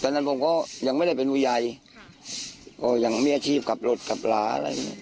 แต่งั้นผมก็ยังไม่ได้เป็นอุยัยครับก็ยังมีอาชีพขับรถขับหลาอะไรแบบนี้